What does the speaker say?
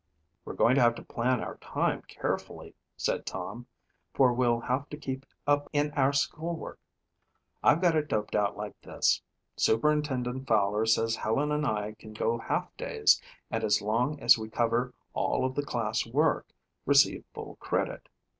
"We're going to have to plan our time carefully," said Tom, "for we'll have to keep up in our school work. I've got it doped out like this. Superintendent Fowler says Helen and I can go half days and as long as we cover all of the class work, receive full credit.